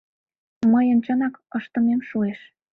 Мыйын чынак ыштымем шуэш.